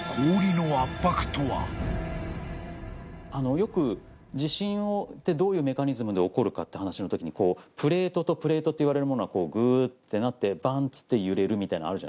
よく地震ってどういうメカニズムで起こるかって話のときにこうプレートとプレートっていわれるものがぐーってなってばんっつって揺れるみたいのあるじゃない。